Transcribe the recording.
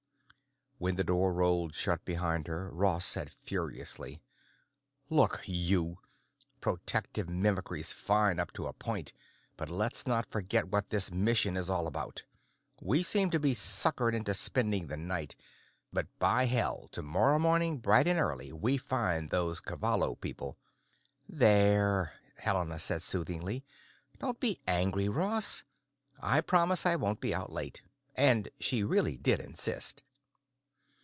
When the door rolled shut behind her Ross said furiously: "Look, you! Protective mimicry's fine up to a point, but let's not forget what this mission is all about. We seem to be suckered into spending the night, but by hell tomorrow morning bright and early we find those Cavallo people—" "There," Helena said soothingly. "Don't be angry, Ross. I promise I won't be out late, and she really did insist."